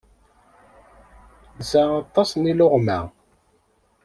Nesɛa aṭas n yileɣma.